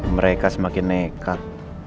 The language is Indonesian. mereka semakin nekat